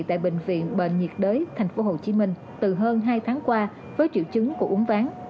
tại bệnh viện bệnh nhiệt đới tp hcm từ hơn hai tháng qua với triệu chứng của uống ván